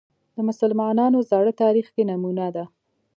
د مسلمانانو زاړه تاریخ کې نمونه ده